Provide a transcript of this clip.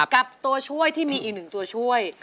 ตัวช่วยที่มีอีกหนึ่งตัวช่วย